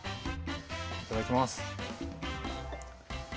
いただきます。